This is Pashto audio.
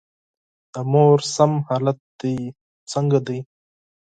د مور صحي حالت دي څنګه دی؟